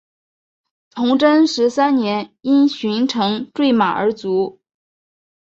崇祯十三年因巡城坠马而卒。